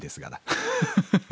アハハハ。